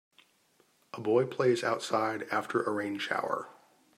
A boy plays outside after a rain shower.